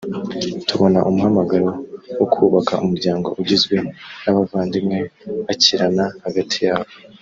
tubona umuhamagaro wo kubaka umuryango ugizwe n’abavandimwe bakirana hagati yabo